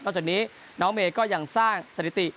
จากนี้น้องเมย์ก็ยังสร้างสถิติ